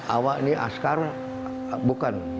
awak ini askar bukan